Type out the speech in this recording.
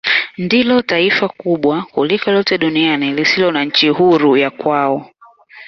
Ndilo taifa kubwa kuliko lote duniani lisilo na nchi huru ya kwao.